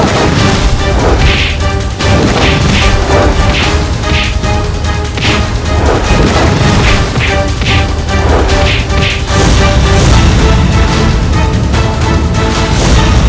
kau akan sembuh